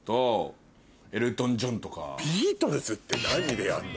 ビートルズって何でやんの？